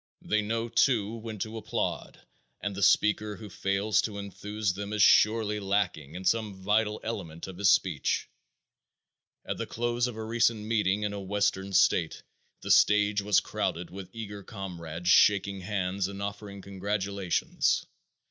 They know, too, when to applaud, and the speaker who fails to enthuse them is surely lacking in some vital element of his speech. At the close of a recent meeting in a western state the stage was crowded with eager comrades shaking hands and offering congratulations.